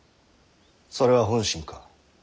それは本心か？